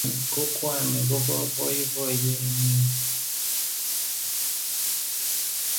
Kokwonik ko bo boiboiye ne oo.